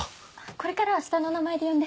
これからは下の名前で呼んで。